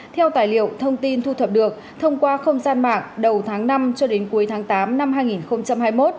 theo tài liệu thông tin thu thập được thông qua không gian mạng đầu tháng năm cho đến cuối tháng tám năm hai nghìn hai mươi một